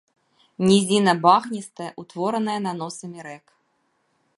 Нізіна багністая, утворана наносамі рэк.